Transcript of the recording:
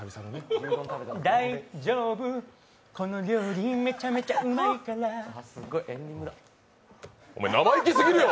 大丈夫この料理、めちゃめちゃうまいからお前、生意気すぎるよ！